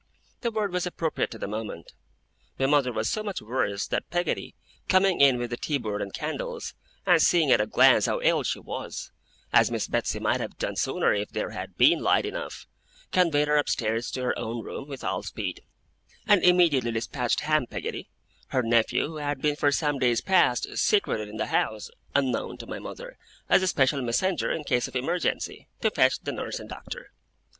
The word was appropriate to the moment. My mother was so much worse that Peggotty, coming in with the teaboard and candles, and seeing at a glance how ill she was, as Miss Betsey might have done sooner if there had been light enough, conveyed her upstairs to her own room with all speed; and immediately dispatched Ham Peggotty, her nephew, who had been for some days past secreted in the house, unknown to my mother, as a special messenger in case of emergency, to fetch the nurse and doctor.